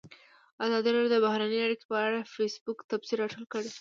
ازادي راډیو د بهرنۍ اړیکې په اړه د فیسبوک تبصرې راټولې کړي.